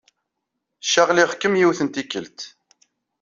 Caɣliɣ-kem yiwet n tikkelt.